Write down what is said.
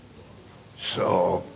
そうか。